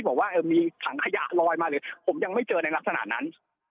บอกว่ามีถังขยะลอยมาหรือผมยังไม่เจอในลักษณะนั้น